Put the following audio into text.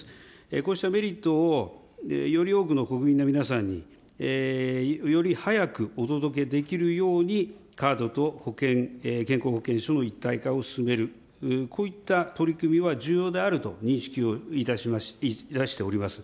こうしたメリットを、より多くの国民の皆さんに、より早くお届けできるように、カードと保険、健康保険証の一体化を進める、こういった取り組みは重要であると認識をいたしております。